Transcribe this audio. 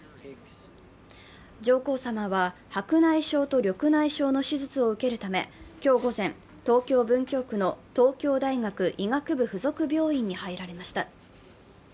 上皇さまは白内障と緑内障の手術を受けるため今日午前、東京・文京区の東京大学医学部附属病院に入られました。